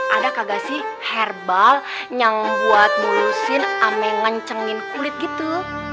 ada kagak sih herbal yang buat lulusin ame ngencengin kulit gitu